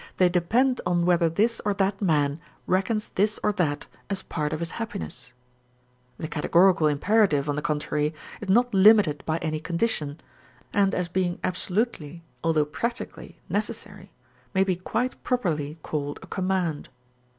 they depend on whether this or that man reckons this or that as part of his happiness; the categorical imperative, on the contrary, is not limited by any condition, and as being absolutely, although practically, necessary, may be quite properly called a command.